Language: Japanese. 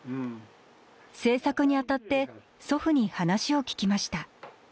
制作にあたって祖父に話を聞きました。